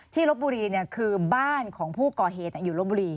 ที่รบบุรีเนี่ยคือบ้านของผู้ก่อเหตุอยู่รบบุรี